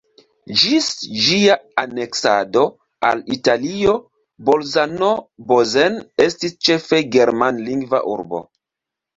Ĝis ĝia aneksado al Italio Bolzano-Bozen estis ĉefe germanlingva urbo.